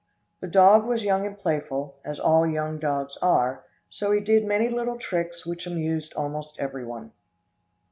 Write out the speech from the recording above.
The dog was young and playful, as all young dogs are, so he did many little tricks which amused almost everyone.